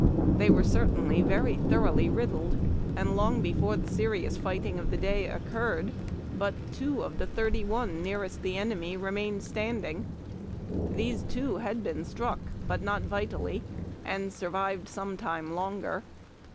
They were certainly very thoroughly riddled, and long before the serious fighting of the day occurred but two of the thirty one nearest the enemy re mained standing. These two had been struck but not vitally, and survived some time longer.